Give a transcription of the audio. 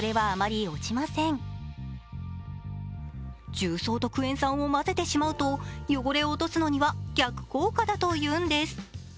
重曹とクエン酸を混ぜてしまうと、汚れを落とすのには逆効果だというのです。